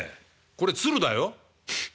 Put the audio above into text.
これ鶴だよ」。